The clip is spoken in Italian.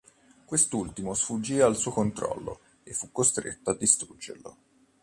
Quest'ultimo sfuggì al suo controllo e fu costretto a distruggerlo.